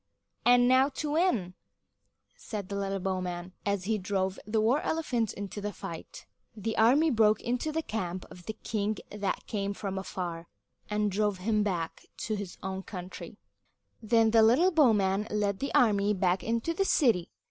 "And now to win!" said the little bowman, as he drove the war elephant into the fight. The army broke into the camp of the king that came from afar, and drove him back to his own country. Then the little bowman led the army back into the city.